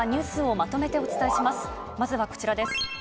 まずはこちらです。